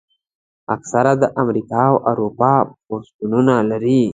اکثره د امریکا او اروپا پاسپورټونه لري.